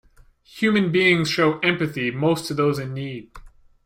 Human beings show empathy most to those in need.